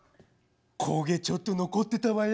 「焦げちょっと残ってたわよ」。